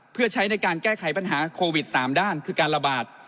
เพื่อใช้ในการแก้ไขปัญหาโควิด๓ด้านคือการระบาด